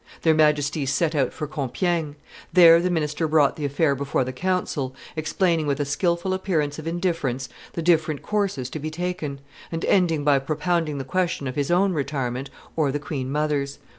Their Majesties set out for Compiegne; there the minister brought the affair before the council, explaining with a skilful appearance of indifference the different courses to be taken, and ending by propounding the question of his own retirement or the queen mother's.